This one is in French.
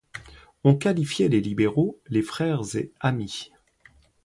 On qualifiait les libéraux, les frères et amis.